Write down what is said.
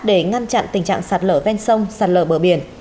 để ngăn chặn tình trạng sạt lở ven sông sạt lở bờ biển